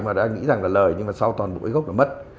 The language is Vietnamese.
mà đã nghĩ rằng là lời nhưng mà sau toàn bộ gốc là mất